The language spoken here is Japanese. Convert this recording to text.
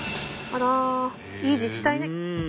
あらいい自治体ね。